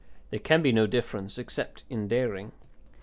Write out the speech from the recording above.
There can be no difference except in daring.